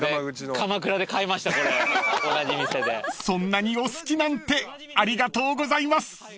［そんなにお好きなんてありがとうございます！］